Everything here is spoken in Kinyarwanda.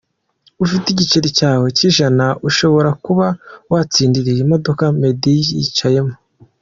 Ufite igiceri cyawe cy'ijana ushobora kuba watsindira iyi modoka Meddy yicayemo.